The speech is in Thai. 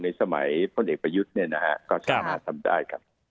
ในสมัยคนเด็กประยุทธ์ก็สามารถทำได้ครับ